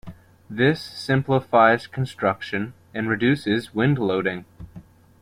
This simplifies construction and reduces wind loading.